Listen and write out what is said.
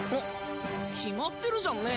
決まってるじゃんね。